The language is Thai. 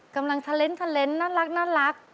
กำลังเทรนด์น่ารัก